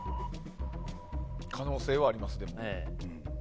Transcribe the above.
可能性はありますよ。